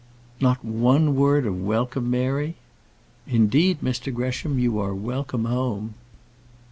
"Not one word of welcome, Mary?" "Indeed, Mr Gresham, you are welcome home."